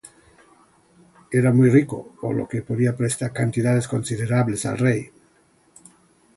Era muy rico, por lo que podía prestar cantidades considerables al rey.